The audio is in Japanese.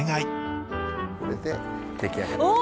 これでできあがりです！